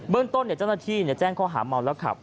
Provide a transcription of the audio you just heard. เบื้องต้นแจ้งข้อหามาวลักษณ์แล้วขับ